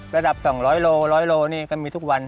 ระดับ๒๐๐โลกรัมนี่ก็มีทุกวัน